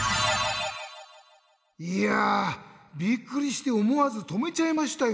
いやびっくりしておもわずとめちゃいましたよ。